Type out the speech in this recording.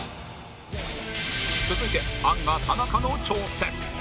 続いてアンガ田中の挑戦